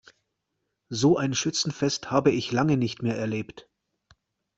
So ein Schützenfest habe ich lange nicht mehr erlebt.